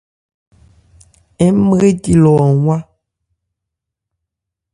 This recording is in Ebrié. Ńmréci lɔ, an wá.